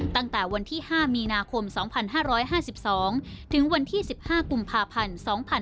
ตั้งแต่วันที่๕มีนาคม๒๕๕๒ถึงวันที่๑๕กุมภาพันธ์๒๕๕๙